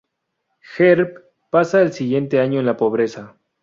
Herb pasa el siguiente año en la pobreza.